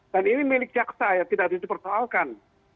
dan ini milik jaksa ya tidak dipersoalkan